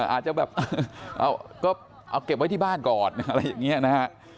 อาจจะแบบก็เอาเก็บไว้ที่บ้านก่อนอะไรอย่างนี้นะฮะ